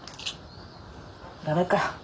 駄目か。